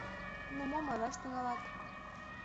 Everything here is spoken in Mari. Ну мом ойлаш тӱҥалат?